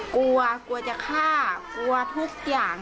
กลัวกลัวจะฆ่ากลัวทุกอย่าง